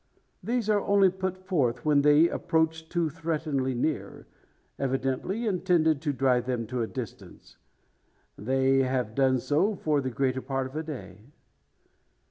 These are only put forth, when they approach too threateningly near evidently intended to drive them to a distance. They have done so for the greater part of a day.